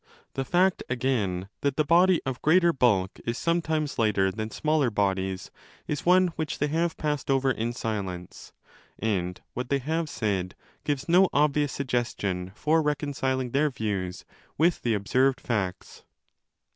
The fact, again, that the body of 25 greater bulk is sometimes lighter than smaller bodies is one which they have passed over in silence, and what they have said gives no obvious suggestion for reconciling their views with the observed facts.